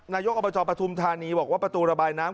นายกอัพจรประทุมธารณีว่าประตูราบายน้ำ